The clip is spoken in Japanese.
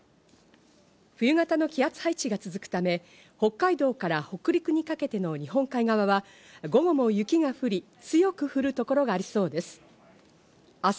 冬型の気圧配置が続くため、北海道から北陸にかけての日本海側は午後も雪が降り強く降る所がありそうです。